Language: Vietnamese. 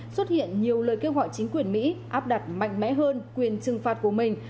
xuất hiện nhiều lời kêu gọi chính quyền mỹ áp đặt mạnh mẽ hơn quyền trừng phạt của mình